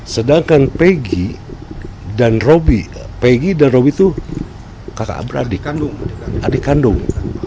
sedangkan pegi dan robi pegi dan robi itu adik kandung